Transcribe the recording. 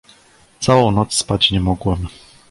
"Całą noc spać nie mogłem."